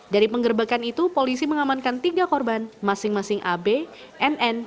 dari penggerbekan itu polisi mengamankan tiga korban masing masing ab nn